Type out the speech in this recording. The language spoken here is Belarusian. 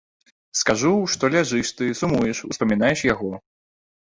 Скажу, што ляжыш ты, сумуеш, успамінаеш яго.